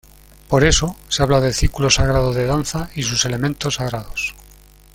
Por eso, se habla del círculo sagrado de danza y sus elementos sagrados.